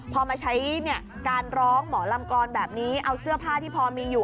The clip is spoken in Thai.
พอมาใช้การร้องหมอลำกรแบบนี้เอาเสื้อผ้าที่พอมีอยู่